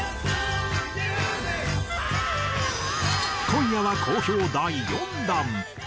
今夜は好評第４弾。